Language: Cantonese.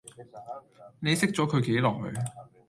你識咗佢幾耐